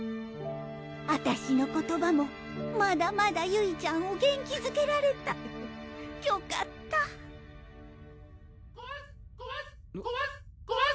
あたしの言葉もまだまだゆいちゃんを元気づけられたよかったゴワス！